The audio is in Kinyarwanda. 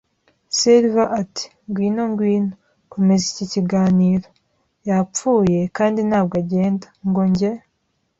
Silver ati: “Ngwino, ngwino.” “Komeza iki kiganiro. Yapfuye, kandi ntabwo agenda, ngo njye